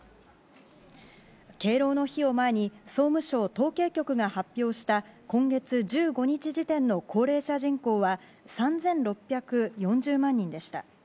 敬老の日を前に総務省統計局が発表した今月１５日時点の高齢者人口は３６４０万人でした。